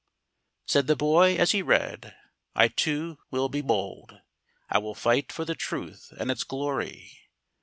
Said the boy as he read, "I too will be bold, I will fight for the truth and its glory!"